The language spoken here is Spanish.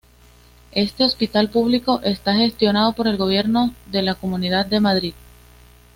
Este hospital público está gestionado por el gobierno de la Comunidad de Madrid.